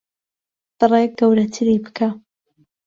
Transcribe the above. بڕێک گەورەتری بکە.